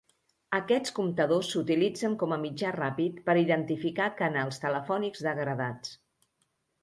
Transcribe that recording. Aquests comptadors s'utilitzen com a mitjà ràpid per identificar canals telefònics degradats.